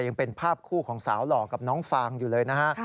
ยังเป็นภาพคู่ของสาวหล่อกับน้องฟางอยู่เลยนะฮะ